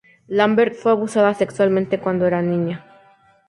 Lambert fue abusada sexualmente cuando era niña.